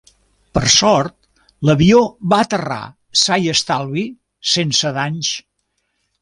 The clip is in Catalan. Per sort, l'avió va aterrar sa i estalvi sense danys.